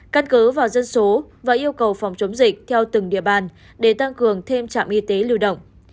căn cứ vào dân số và yêu cầu phòng chống dịch theo từng địa bàn để tăng cường thêm trạm y tế lưu động